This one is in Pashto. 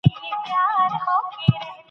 د عقل خميره بايد خلګو ته په سمه توګه پخه سي.